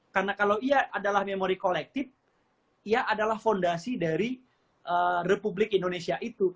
karena kalau ia adalah memori kolektif ia adalah fondasi dari republik indonesia itu